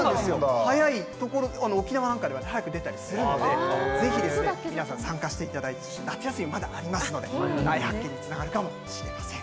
沖縄は早く出たりするのでぜひ皆さん、参加していただいて夏休み、まだありますので大発見につながるかもしれません。